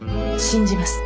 信じます。